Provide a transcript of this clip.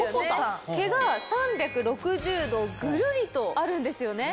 毛が３６０度ぐるりとあるんですよね。